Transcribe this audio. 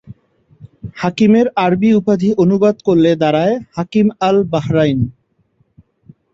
হাকিমের আরবি উপাধি অনুবাদ করলে দাড়ায় হাকিম আল-বাহরাইন।